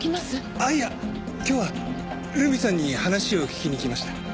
あっいや今日は留美さんに話を聞きに来ました。